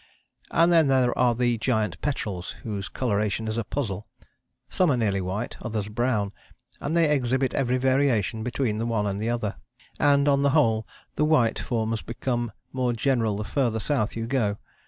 " And then there are the Giant petrels, whose coloration is a puzzle. Some are nearly white, others brown, and they exhibit every variation between the one and the other. And, on the whole, the white forms become more general the farther south you go.